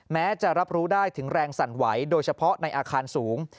แม้จะรับรู้ได้ถึงแรงสั่นไหวโดยเฉพาะในอาคารสูง